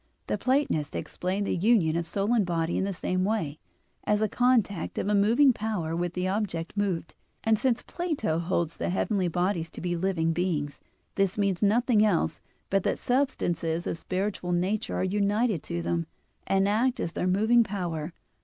The Platonists explain the union of soul and body in the same way, as a contact of a moving power with the object moved, and since Plato holds the heavenly bodies to be living beings, this means nothing else but that substances of spiritual nature are united to them, and act as their moving power.